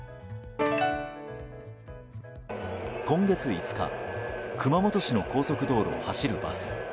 今月５日熊本市の高速道路を走るバス。